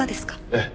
ええ。